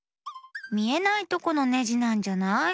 みえないとこのネジなんじゃない？